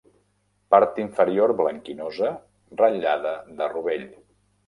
Part inferior blanquinosa ratllada de rovell.